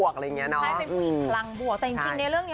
ครอบครัวด้วย